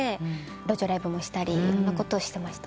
路上ライブもしたりいろんなことをしてました。